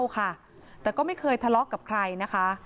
ด้านภรรยาของผู้เสียชีวิตค่ะแต่ก็ไม่เคยทะเลาะกับใครนะคะ